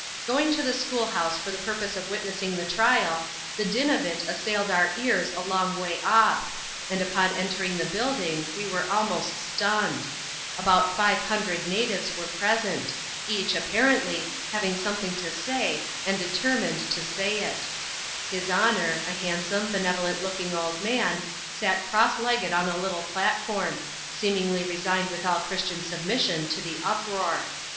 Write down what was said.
Going to the school house for the purpose of witnessing the trial, the din of it assailed our ears a long way off; and upon entering the building we ^«te «lmo«t stunned. About ive hundred natives were present*, e«k^ w$^«x^Tsi^^^^ffl^siYa^ CHAP. Lxxix.] COURT IN POLYNESIA, a05 thing to say, and determined to say it. His Honour — a hand* some, benevolent looking old man — sat cross legged on a lit^ platform ; seemingly resigned with all Christian submission to the uproar.